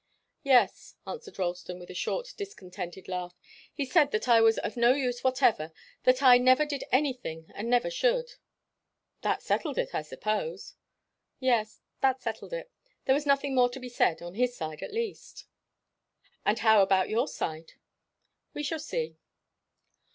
"Yes," answered Ralston, with a short, discontented laugh. "He said that I was of no use whatever, that I never did anything and never should." "That settled it, I suppose." "Yes. That settled it. There was nothing more to be said on his side, at least." "And how about your side?" "We shall see."